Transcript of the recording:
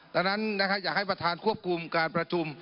ดังนั้นอยากให้ประธานควบคุมการประชุม